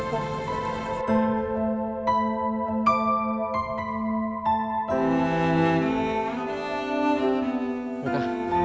aku mau berhenti